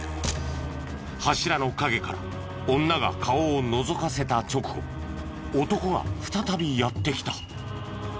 柱の陰から女が顔をのぞかせた直後男が再びやって来た。